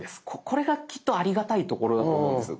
これがきっとありがたいところだと思うんです。